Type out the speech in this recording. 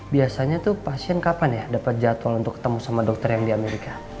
biasanya tuh pasien kapan ya dapat jadwal untuk ketemu sama dokter yang di amerika